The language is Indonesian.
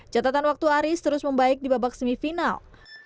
catatan waktu aris terus membaik di babak semifinal